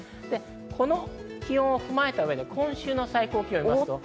この気温を踏まえた上で、今週の最高気温を見ます。